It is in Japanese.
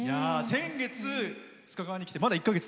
先月、須賀川市に来てまだ１か月。